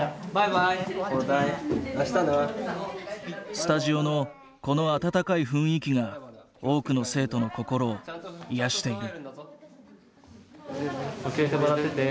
スタジオのこの温かい雰囲気が多くの生徒の心を癒やしている。